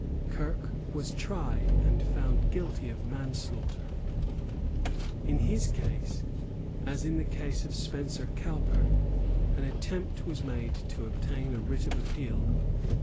Kirke was tried and found guilty of manslaughter. In his case, as in the case of Spencer Cowper, an attempt was made to obtain a writ of appeal.